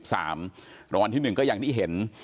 รางวัลที่๑ก็ยังได้เห็น